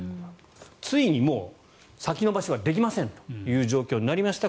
ついにもう先延ばしはできませんという状況になりました。